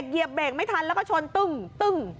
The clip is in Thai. เหยียบเบรกไม่ทันแล้วก็ชนตึ้ง